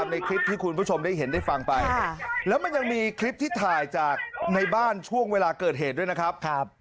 มีคลิปที่ถ่ายจากในบ้านช่วงเวลาเกิดเหตุด้วยนะครับ